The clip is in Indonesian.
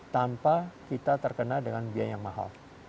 tanpa kita terkena dengan biaya yang mahal